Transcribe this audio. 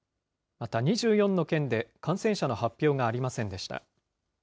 また２４の県で感染者の発表がありませんでした。